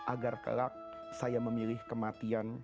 agar kelak saya memilih kematian